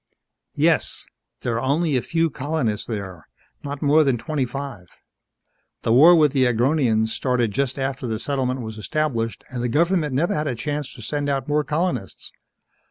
"Yes. There are only a few colonists there not more than twenty five. The war with the Agronians started just after the settlement was established and the government never had a chance to send out more colonists.